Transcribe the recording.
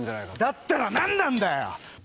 だったら何なんだよ！